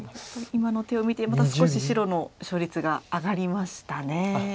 今の手を見てまた少し白の勝率が上がりましたね。